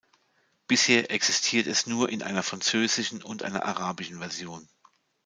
Bisher existiert es nur in einer französischen und einer arabischen Version.